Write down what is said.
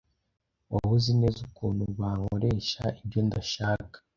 wowe uzi neza ukuntu bankoresha ibyo ndashaka,